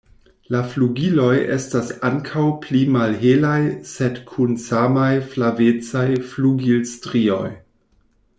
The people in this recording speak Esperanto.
La flugiloj estas ankaŭ pli malhelaj sed kun samaj flavecaj flugilstrioj.